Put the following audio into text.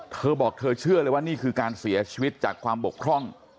เธอบอกเธอเชื่อเลยว่านี่คือการเสียชีวิตจากความบกพร่อง